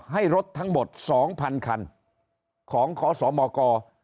ให้รถทั้งหมด๒๐๐๐คันของขอสมก